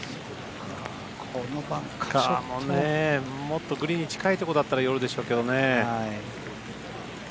もっとグリーンに近いところだったら寄るでしょうけどね。